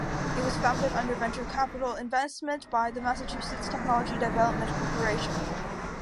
It was founded under Venture Capital Investment by the Massachusetts Technology Development Corporation.